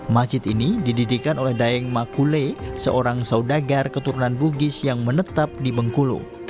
masjid ini didirikan oleh daeng makule seorang saudagar keturunan bugis yang menetap di bengkulu